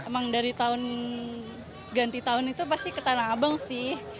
emang dari tahun ganti tahun itu pasti ke tanah abang sih